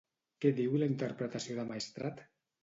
Què diu la interpretació de Maestrat?